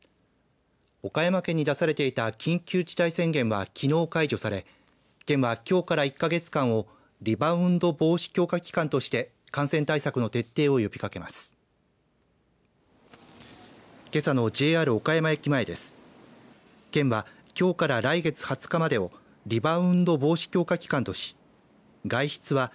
岡山県に出されていた緊急事態宣言は、きのう解除され県はきょうから１か月間をリバウンド防止強化期間として感染対策の徹底を呼びかけます。